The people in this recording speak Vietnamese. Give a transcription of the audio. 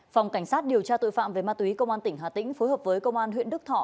phòng cảnh sát điều tra tội phạm về ma túy công an tỉnh hà tĩnh phối hợp với công an huyện đức thọ